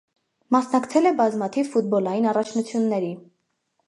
Մասնակցել է բազմաթիվ ֆուտբոլային առաջնությունների։